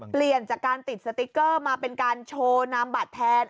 เปลี่ยนจากการติดสติ๊กเกอร์มาเป็นการโชว์นามบัตรแทน